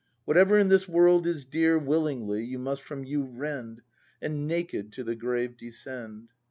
Whatever in this world is dear Willingly you must from you rend. And naked to the grave descend.